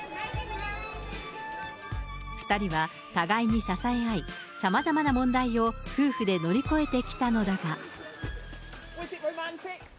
２人は互いに支え合い、さまざまな問題を夫婦で乗り越えてきたのだが。